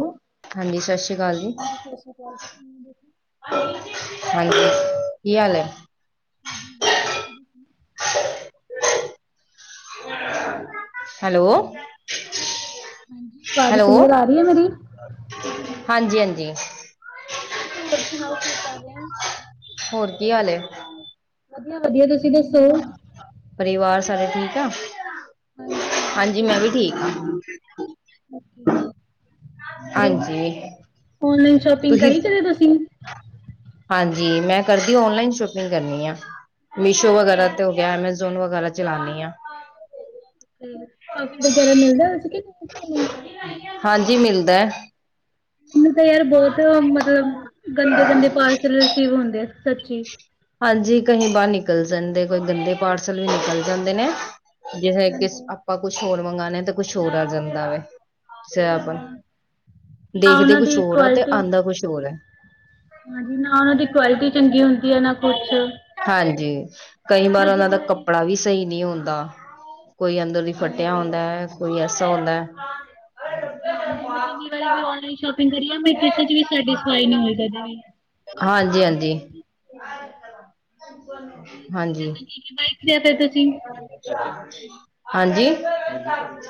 Hello. ਹਾਂਜੀ ਸਸ਼ੀਕਾਲ ਜੀ। ਹਾਂਜੀ ਸਤਿ ਸ਼੍ਰੀ ਅਕਾਲ ਜੀ। ਕਿਵੇਂ ਦੇਖੋ? [unintelligible] ਹਾਂਜੀ ਕੀ ਹਾਲ ਹੈ? ਹੂੰ-ਹੂੰ, ਬਿਲਕੁਲ-ਬਿਲਕੁਲ। ਹੈਲੋ, ਹਾਂਜੀ ਆਵਾਜ਼ ਕਲੀਅਰ ਹੈਲੋ। ਆ ਰਹੀ ਹੈ ਮੇਰੀ? ਹਾਂਜੀ-ਹਾਂਜੀ। ਮੈਂ ਕਿਹਾ ਹੋਰ ਸੁਣਾਓ? ਕਿ ਕਰ ਰਹੇ ਔ। ਹੋਰ ਕੀ ਹਾਲ ਏ? ਵਧੀਆ-ਵਧੀਆ, ਤੁਸੀਂ ਦੱਸੋ? ਘਰੇ ਠੀਕ ਆ? ਹਾਂਜੀ-ਹਾਂਜੀ ਹਾਂਜੀ, ਵਧੀਆ ਮੈਂ ਵੀ ਤੁਸੀਂ ਠੀਕ ਓਕੇ, ਹਾਂ। ਹਾਂਜੀ ਔਨਲਾਈਨ ਸ਼ੋਪਿੰਗ ਤੁਸੀਂ ਕਰੀ ਕਦੇ ਤੁਸੀਂ? ਹਾਂਜੀ ਮੈਂ ਕਰਦੀ, ਔਨਲਾਈਨ ਸ਼ੋਪਿੰਗ ਕਰਨੀ ਆ। ਮੀਸ਼ੋ ਵਗੈਰਾ ਤੇ ਹੋ ਗਿਆ, ਐਮਾਜੋਂ ਜ਼ੋਨ ਵਗੈਰਾ ਚਲਾਉਣੀ ਆ। ਕਾਫੀ ਵਗੇਰਾ ਮਿਲਦਾ ਇੱਥੇ ਕੇ ਨਹੀਂ ਤਹਾਨੂੰ ਹਾਂਜੀ ਮਿਲਦਾ। ਮੈਨੂੰ ਤਾਂ ਯਾਰ, ਬਹੁਤ ਮਤਲਬ ਗੰਦੇ ਗੰਦੇ ਪਾਰਸਲ ਰਿਸੀਵ ਹੁੰਦੇ, ਆ ਸੱਚੀ। ਹਾਂਜੀ, ਕਈ ਬਾਹਰ ਨਿਕਲ ਜਾਂਦੇ, ਕੋਈ ਗੰਦੇ ਪਾਰਸਲ ਨਿਕਲ ਜਾਂਦੇ ਨੇ। ਜੇ ਹਾਂਜੀ ਆਪਾਂ, ਕੁਛ ਹੋਰ ਮੰਗਵਾਉਣੇ ਹਾ ਤੇ ਕੁਛ ਹੋਰ ਆ ਜਾਂਦਾ ਆਪਾਂ ਹਾਂ ਨਾ ਦੇਖਦੇ ਉਹਨਾਂ ਕੁਛ ਦੀ ਹੋਰ ਆ ਤੇ ਕੁਆਲਿਟੀ ਆਉਂਦਾ ਕੁਛ ਹੋਰ ਹੈ। ਹਾਂਜੀ ਨਾ ਇਹਦੀ ਕੁਆਲਿਟੀ ਚੰਗੀ ਹੁੰਦੀ ਹੈ ਨਾ ਕੁਛ। ਹਾਂਜੀ ਕਈ ਵਾਰ, ਮੈਂ ਉਹਨਾਂ ਦਾ ਜਿੰਨੀ ਵਾਰੀ ਕੱਪੜਾ ਵੀ ਸਹੀ ਨਹੀਂ ਹੁੰਂਦਾ। ਕੋਈ, ਅੰਦਰ ਦੀ ਫੱਟਿਆ ਹਾਂਜੀ ਹੁੰਦਾ ਹੈ, ਕੋਈ ਐਸਾ ਹੁੰਦਾ ਹੈ ਹਾਂਜੀ, ਮੈਂ ਜਿੰਨੀ ਵਾਰੀ ਵੀ ਔਨਲਾਈਨ ਸ਼ੋਪਿੰਗ ਪੀਦੰਰਿਆ ਮੈਂ ਕਿਸੇ ਚ ਵੀ ਸੈਟਿਸਫਾਈ ਨਹੀਂ ਹੋਈ ਕਦੇ ਵੀ। ਹਾਂਜੀ ਹਾਂਜੀ। ਹੋਰ ਤੁਸੀਂ ਹਾਂਜੀ। ਦੱਸੋ ਕੀ ਕੀ ਬਾਏ ਕਰਿਆ ਫਿਰ ਤੁਸੀਂ? -ਹਾਂਜੀ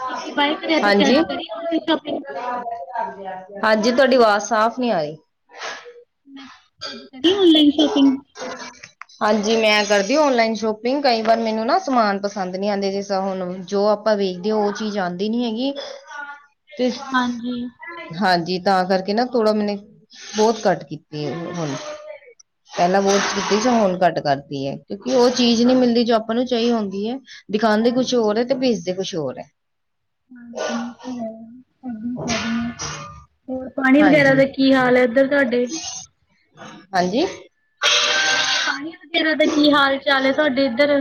ਕੀ ਕੀ ਬਾਏ ਕਰਿਆ ਤੁਸੀਂ ਹਾਂਜੀ। ਅੱਜ ਕਰੀ ਔਨਲਾਈਨ ਸ਼ੋਪਿੰਗ? ਅੱਜ ਤੁਆਡੀ ਵਾਜ਼ ਸਾਫ਼ ਨੀ ਆਈ। ਮੈਂ ਕਿਆ ਸੀ। ਅੱਜ ਕਰੀਏ ਔਨਲਾਈਨ ਸ਼ੋਪਿੰਗ। ਹਾਂਜੀ। ਮੈਂ ਕਰਦੀ ਓਨਲਾਈਨ ਸ਼ੋਪਿੰਗ, ਕਈ ਵਾਰ ਮੈਨੂੰ ਨਾ ਸਮਾਨ ਪਸੰਦ ਨੀ ਆਂਦੇ, ਜਿਸ ਤਰਾਂ ਹੁਣ ਜੋ ਆਪ- ਆਪਾਂ ਵੇਖਦੇ ਓ ਚੀਜ਼ ਆਂਦੀ ਨੀ ਹੈਗੀ। ਤੇ, ਹਾਂਜੀ। ਹਾਂਜੀ ਤਾਂ ਕਰਕੇ ਨਾ ਥੋੜਾ ਮੈਨੇ ਬੋਤ ਘੱਟ ਗੀ- ਹੁਣ, ਪੈਲਾਂ ਬੋਤ ਕੀਤੀ ਸੀ। ਹੁਣ ਘੱਟ ਕਰ- ਕਿਉਂਕਿ ਓ ਚੀਜ਼ ਨੀ ਮਿਲਦੀ ਜੋ ਆਪਾਂ ਨੂੰ ਚਾਈ ਹੁੰਦੀ ਏ। ਦਿਖਾਂਦੇ ਕੁਛ ਹੋਰ ਏ ਤੇ ਭੇਜਦੇ ਕੁਛ ਹੋਰ ਐ। ਹਾਂਜੀ ਓ ਹੈ ਹੁਣ ਵੀ ਕਰ ਰਹੀ ਹਾ ਹੋਰ ਪਾਣੀ ਵਗੈਰੇ ਹਾਂਜੀ ਦਾ ਕੀ ਹਾਲ ਹੈ ਏਧਰ ਤਾਡੇ। ਹਾਂਜੀ ਮੈਂ ਕਿਆ ਪਾਣੀ ਵਗੈਰਾ ਦਾ ਕੀ ਹਾਲ ਚਾਲ ਏ ਤੁਆਡੇ ਏਧਰ।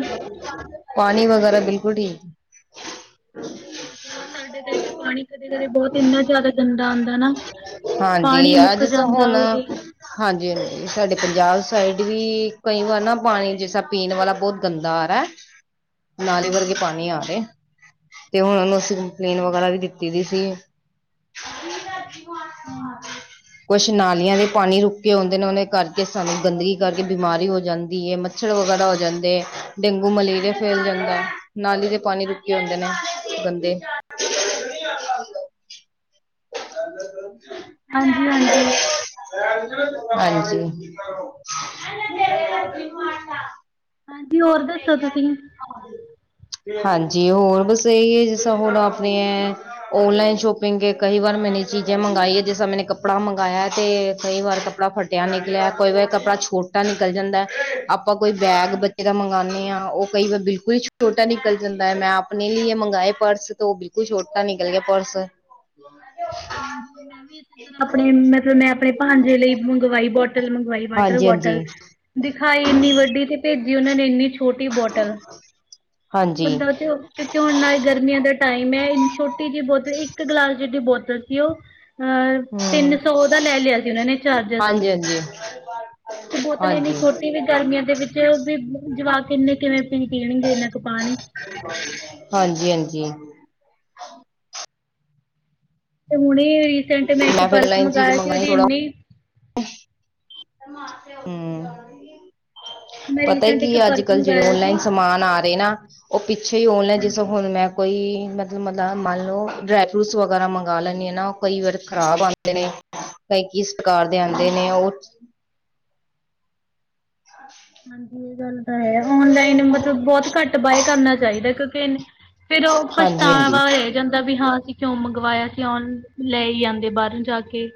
ਪਾਣੀ ਵਗੈਰਾ ਬਿਲਕੁਲ ਠੀਕ। ਸਾਡੇ ਤਾਂ ਏਥੇ ਪਾਣੀ ਕਦੇ ਕਦੇ ਬੋਤ ਏਨਾ ਜਾਦਾ ਗੰਦਾ ਆਂਦਾ ਨਾ। ਹਾਂਜੀ ਪਾਣੀ ਮੁੱਕ ਅੱਜ ਤਾਂ ਜਾਂਦਾ ਹੁਣ। ਉਹਦੇ ਹਾਂਜੀ ਹਾਂਜੀ ਸਭ ਪੰਜਾਬ ਸਾਈਡ ਵੀ ਕਈ ਵਾਰ ਨਾ ਪਾਣੀ ਜਿਸਾ ਪੀਣ ਵਲਾ ਬਹੁਤ ਗੰਦਾ ਆ ਰੇ। ਨਾਲੇ ਵਰਗੇ ਹਾਂਜੀ ਪਾਣੀ ਆ ਰਏ। ਤੇ ਹੁਣ ਅਸੀਂ ਹਾਂਜੀ ਕੰਪਲੇਨ ਵਗੈਰਾ ਵੀ ਦਿੱਤੀ ਦੀ ਸੀ। ਹਾਂਜੀ ਕੁਛ ਨਾਲੀਆਂ ਦੇ ਪਾਣੀ ਰੁਕ ਕੇ ਆਉਂਦੇ ਨੇ ।ਉਦੇ ਕਰਕੇ ਸਾਨੂੰ ਗੰਦਗੀ ਕਰਕੇ ਬਿਮਾਰ ਹੋ ਜਾਂਦ ਕੀ ਏ ਮੱਛੜ ਵਗੈਰਾ ਹੋ ਜਾਂਦੇ ਡੇਂਗੂ ਮਲੇਰੀਆ ਫੈਲ ਜਾਂਦਾ। ਨਾਲੀ ਦੇ ਪਾਣੀ ਰੁਕੇ ਹੁੰਦੇ ਨੇ ਨਾ ਗੰਦੇ। [inaudible] ਹਾਂਜੀ ਹਾਂਜੀ - [unintelligible] ਹਾਂਜੀ ਹਾਂਜੀ ਹੋਰ ਦੱਸੋ ਤੁਸੀਂ ਹਾਂਜੀ ਹੋਰ ਬਸ ਏਈ ਏ ਜਿਸਾਂ ਹੁਣ ਆਪਣੇ ਓਨਲਾਈਨ ਸ਼ੋਪਿੰਗ ਕਈ ਵਾਰ ਮੈਨੇ ਚੀਜ਼ਾਂ ਮੰਗਾਈ ਏ ।ਜਿਸਰਾਂ ਮੈਨੇ ਕੱਪੜਾ ਮੰਗਾਇਆ ਤੇ ਕਈ ਵਾਰ ਕੱਪੜਾ ਫਟਿਆ ਨਿਕਲਿਆ ।ਕੋਈ ਵਾਰ ਕੱਪੜਾ ਛੋਟਾ ਨਿਕਲ ਜਾਂਦਾ ।ਆਪਾਂ ਕੋਈ ਬੈਗ ਬੱਚੇ ਦਾ ਮੰਗਾਣੇ ਆਂ, ਉਹ ਕਈ ਵਾਰ ਬਿਲਕੁਲ ਛੋ ਛੋਟਾ ਨਿਕਲ ਜਾਂਦਾ ਐ। ਮੈਂ ਆਪਣੇ ਲੀਏ ਮੰਗਾਏ ਪਰਸ ਤੋ ਓ ਬਿਲਕੁਲ ਛੋਟਾ ਨਿਕਲ ਗਿਆ ਪਰਸ। ਹਾਂਜੀ ਮੈਂ ਵੀ ਇਸੇ ਤਰ੍ਹਾਂ ਆਪਣੇ ਮਤਲਬ ਮੈਂ ਆਪਣੇ ਭਾਂਜੇ ਲਈ ਮੰਗਵਾਈ ਬੋਟ ਮੰਗਵਾਈ ਵਾਟਰ ਹਾਂਜੀ ਹਾਂਜੀ ਬੋਟਲ ਦਿਖਾਈ ਏਨੀ ਵੱਡੀ ਤੇ ਭੇਜੀ ਓ ਨੇ ਏਨੀ ਛੋਟੀ ਛੋਟੀ ਬੋਟਲ। ਹਾਂਜੀ ਬੰਦਾ ਓ'ਚ ਕਿਉਂ ਨਾਲ ਗਰਮੀਆਂ ਦਾ ਟਾਈਮ ਏ। ਛੋਟੀ ਜੇਈ ਬੋਤਲ ਇੱਕ ਗਲਾਸ ਜਿਡੀ ਬੋਤਲ ਕੀ ਓ ਅਹ ਤਿੰਨ ਹਮ ਸੌ ਦਾ ਲੈ ਲਿਆ ਸੀ ਉਨਾਂ ਨੇ ਚਾਰਜਰ ਹਾਂਜੀ ਹਾਂਜੀ ਤੇ ਬੋਤਲ ਏਨੀ ਹਾਂਜੀ ਛੋਟੀ ਵੀ ਗਰਮੀਆਂ ਦੇ ਵਿੱਚ ਓ ਵੀ ਜਵਾਕ ਏਨੇ ਕਿਵੇਂ ਪੀ ਪੀਣਗੇ ਏਨਾ ਕੁ ਪਾਣੀ। ਹਾਂਜੀ-ਹਾਂਜੀ! ਤੇ ਹੁਣੇ ਰੀਸੈਂਟ ਮੈਂ ਇੱਕ ਫਿਰ ਪਰਸ ਲਾਈਨ ਚੀਜ਼ ਮੰਗਾਇਆ ਸੀ ਮੰਗਾਈ ਉਦੀ ਏਨੀ- ਹੂੰ। ਹੁਣ ਮੈਂ ਪਤਾ ਰੀਸੈਂਟ ਕਿ ਇੱਕ ਏ ਅੱਜ ਪਰਸ ਕੱਲ੍ਹ ਜੇੜੇ ਮੰਗਾਇਆ ਸੀ ਔਨਲਾਈਨ ਸਮਾਨ ਆ ਰੇ ਨਾ, ਓ ਪਿੱਛੇ ਈ ਔਨਲਾਈਨ ਜਿਸਾਂ ਹਾਂਜੀ ਹੁਣ ਮੈਂ ਕੋਈ ਮਤਲਬ ਮਤਲ ਮੰਨ ਲਓ ਡਰਾਈ ਫਰੂਟਸ ਵਗੈਰਾ ਮੰਗਾ ਲੈਂਣੇ ਐ ਨਾ, ਕਈ ਵਾਰ ਖ਼ਰਾਬ ਆਂਦੇ ਨੇ ਪੈਕਿਸ- ਘਰ ਦੇ ਆਦੇ ਨੇ ਹਾਂਜੀ ਓਟਸ ਹਾਂਜੀ ਏ ਗੱਲ ਤਾਂ ਹੈ ਔਨਲਾਈਨ ਮਤਬ ਬੋਤ ਘੱਟ ਬਾਏ ਕਰਨਾ ਚਾਈਦਾ। ਕਿਉਂਕਿ ਫੇਰ ਓ ਹਾਂਜੀ ਹਾਂਜੀ ਪਛਤਾਵਾ ਰੈ ਜਾਂਦਾ ਵੀ ਹਾਂ ਅਸੀਂ ਕਿਉਂ ਮੰਗਵਾਇਆ। ਕੀ ਆਉਣ ਲੈ ਈ ਆਂਦੇ ਬਾਰੋਂ ਜਾ ਕੇ।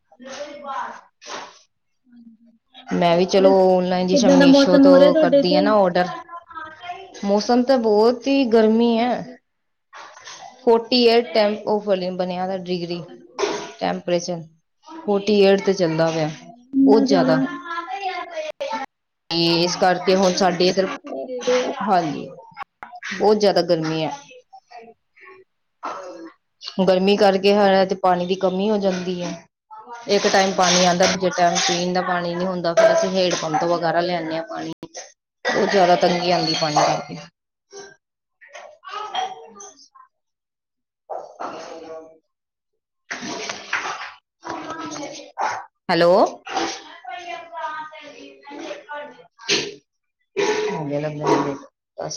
[inaudible] ਮੈਂ ਵੀ ਚਲੋ ਫਿਰ ਓਨਲਾਈਨ ਜਿ ਕਿੱਦਾਂ ਦਾ ਮੀਸ਼ੋ ਮੌਸਮ ਹੋ ਰਿਹਾ ਤੋਂ ਤੁਹਾਡੇ ਕਰਦੀ ਹ ਤੇ ਨਾ ਔਡਰ ਮੌਸਮ ਤਾਂ ਬਹੁਤ ਹੀ ਗਰਮੀ ਹੈ ਹਾਂਜੀ ਫੋਰਟੀ ਈਟ ਟੈਂ ਉਹ ਫਿਲਮ ਬਣਿਆ ਡਿਗਰੀ ਫੋਰਟੀ ਏਟ ਤੇ ਚੱਲਦਾ ਸਹੀ ਪਿਆ ਗੱਲ ਹੈ ਇੰਨਾ ਬਹੁਤ ਜ਼ਿਆਦਾ ਤੇ ਇਸ ਕਰਕੇ ਹੁਣ ਪੱਖਾ ਵੀ ਸਾਡੇ ਕੋਈ ਇਧਰ ਸਾਥ ਨਹੀਂ ਦੇ ਰਿਹਾ ਹਾਂਜੀ ਬਹੁਤ ਜ਼ਿਆਦਾ ਗਰਮੀ ਹੈ ਗਰਮੀ ਕਰਕੇ ਹੈ ਤੇ ਪਾਣੀ ਦੀ ਕਮੀ ਹੋ ਜਾਂਦੀ ਹੈ ਇੱਕ ਟਾਈਮ ਪਾਣੀ ਆਉਂਦਾ ਦੂਜੇ ਟਾਈਮ ਪੀਣ ਦਾ ਪਾਣੀ ਨੀ ਹੁੰਦਾ ਫਿਰ ਅਸੀਂ ਹੇਡ ਪੰਪ ਵਗੈਰਾ ਲਿਆਦੇ ਹਾਂ ਪਾਣੀ ਹ [unintelligible] ਉਹ ਜ਼ਿਆਦਾ ਤੰਗੀ ਆਦੀ ਪਾਣੀ ਕਰਕੇ [inaudible] [unintelligible] [inaudible] ਹੈਲੋ- ਗ [unintelligible]